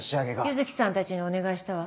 柚木さんたちにお願いしたわ。